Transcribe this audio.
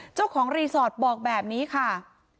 เจ้าของรีสอร์ทบอกแบบนี้ค่ะ